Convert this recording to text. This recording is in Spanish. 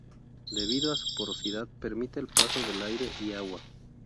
Debido a su porosidad permite el paso del aire y agua.